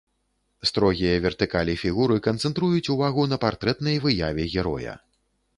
Строгія вертыкалі фігуры канцэнтруюць увагу на партрэтнай выяве героя.